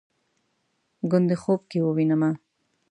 ګوندې خوب کې ووینمه